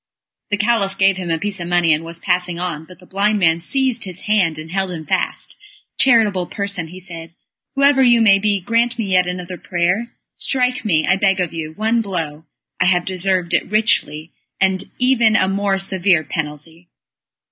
The Caliph gave him a piece of money, and was passing on, but the blind man seized his hand, and held him fast. "Charitable person," he said, "whoever you may be grant me yet another prayer. Strike me, I beg of you, one blow. I have deserved it richly, and even a more severe penalty."